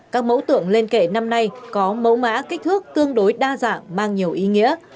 các mẫu tượng lên kệ năm nay có mẫu mã kích thước tương đối đa dạng mang nhiều ý nghĩa